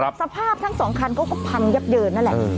สภาพทั้งสองคันเขาก็พังเยอะแยะแหละ